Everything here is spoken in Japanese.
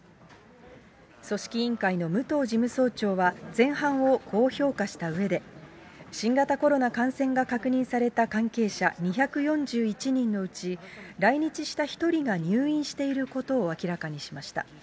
組織委員会の武藤事務総長は、前半をこう評価したうえで、新型コロナ感染が確認された関係者２４１人のうち、来日した１人が入院していることを明らかにしました。